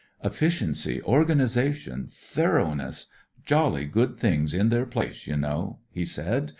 Efficiency, organisation, thoroughness — jolly good things in their place, you know," he said.